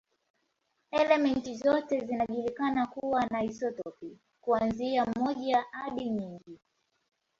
Elementi zote zinajulikana kuwa na isotopi, kuanzia moja hadi nyingi.